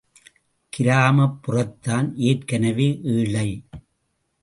கிராமப்புறத்தான் ஏற்கெனவே ஏழை!